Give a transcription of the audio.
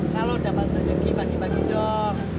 kalau dapat rezeki bagi bagi dok